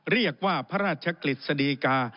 เรียกว่าพระราชกฤษฎีกา